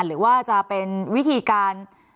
หรือว่าจะเป็นวิธีการ